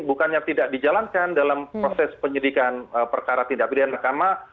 bukannya tidak dijalankan dalam proses penyelidikan perkara tidak berdiri dari rekaman